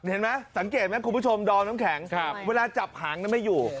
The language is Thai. เห็นไหมสังเกตไหมคุณผู้ชมดอมน้ำแข็งเวลาจับหางนั้นไม่อยู่